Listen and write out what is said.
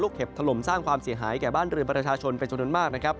เห็บถล่มสร้างความเสียหายแก่บ้านเรือนประชาชนเป็นจำนวนมากนะครับ